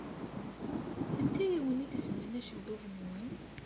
Anta ay awen-igezmen acebbub-nwen?